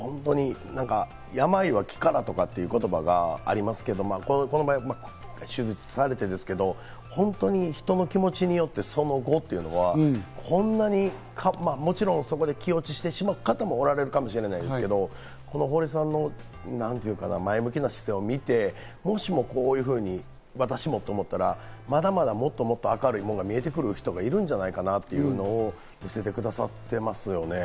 病は気からとかいう言葉がありますけれど、この場合、手術されてですけど、本当に人の気持ちによって、その後というのはホンマにそこで気持ちしてしまう方もおられるかと思うんですけど、堀さんの前向きな姿勢を見て、もしもこういうふうに、私もと思ったら、まだまだもっともっと明るいものが見えてくる人がいるんじゃないかなというのを見せてくださってますよね。